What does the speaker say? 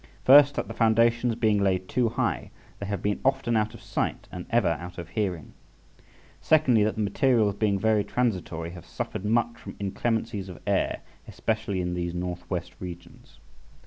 First, that the foundations being laid too high, they have been often out of sight and ever out of hearing. Secondly, that the materials being very transitory, have suffered much from inclemencies of air, especially in these north west regions.